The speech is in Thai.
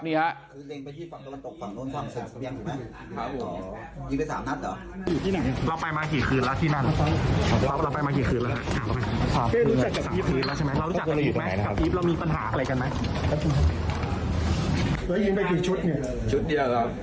มันรู้จักกับอีฟเหรอเรามีปัญหาอะไรอย่างมั้ย